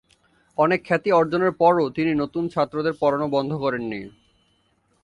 অনেক খ্যাতি অর্জনের পরও তিনি নতুন ছাত্রদের পড়ানো বন্ধ করেননি।